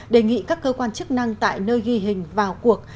đề nghị các cơ quan chức năng tại nơi ghi hình vào cuộc